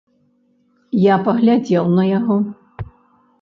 Я паглядзеў на яго.